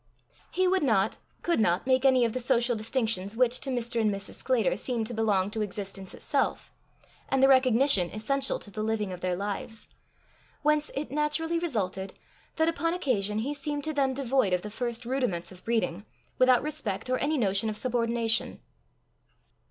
He would not, could not make any of the social distinctions which to Mr. and Mrs. Sclater seemed to belong to existence itself, and their recognition essential to the living of their lives; whence it naturally resulted that upon occasion he seemed to them devoid of the first rudiments of breeding, without respect or any notion of subordination.